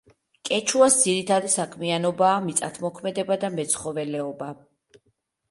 კეჩუას ძირითადი საქმიანობაა მიწათმოქმედება და მეცხოველეობა.